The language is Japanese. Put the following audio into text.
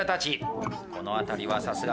この辺りはさすが。